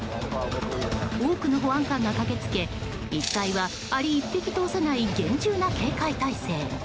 多くの保安官が駆け付け一帯はアリ１匹通さない厳重な警戒態勢。